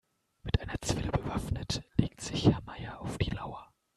Mit einer Zwille bewaffnet legt sich Herr Meier auf die Lauer.